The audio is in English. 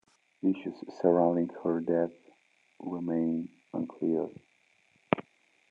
Issues surrounding her death remain unclear.